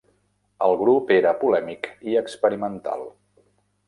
El grup era polèmic i experimental.